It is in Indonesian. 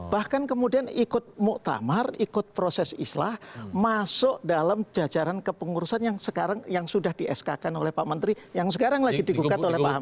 bahkan kemudian ikut muktamar ikut proses islah masuk dalam jajaran kepengurusan yang sekarang yang sudah di sk kan oleh pak menteri yang sekarang lagi digugat oleh pak amin